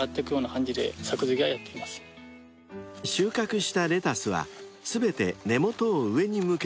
［収穫したレタスは全て根元を上に向けて並べていきます］